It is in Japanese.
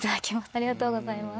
ありがとうございます。